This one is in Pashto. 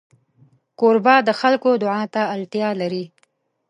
کوربه د خلکو دعا ته اړتیا لري.